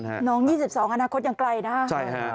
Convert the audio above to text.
น้อง๒๒อนาคตอย่างไกลนะครับ